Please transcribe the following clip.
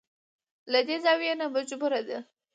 له دې زاويې نه مجبوره ده.